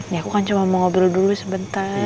nih aku kan cuma mau ngobrol dulu sebentar